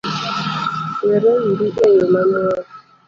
Wereuru eyo mamuol